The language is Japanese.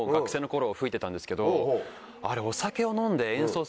あれ。